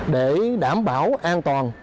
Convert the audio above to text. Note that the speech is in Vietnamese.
để đảm bảo an toàn